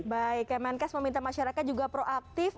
baik kemenkes meminta masyarakat juga proaktif